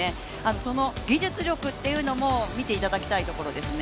その技術力っていうのも見ていただきたいところですね。